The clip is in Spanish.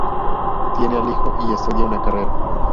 Tiene al hijo y estudia una carrera.